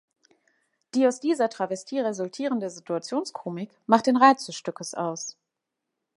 Die aus dieser Travestie resultierende Situationskomik macht den Reiz des Stückes aus.